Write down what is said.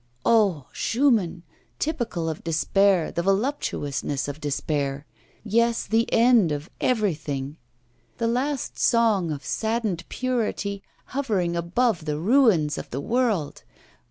'Oh! Schumann, typical of despair, the voluptuousness of despair! Yes, the end of everything, the last song of saddened purity hovering above the ruins of the world!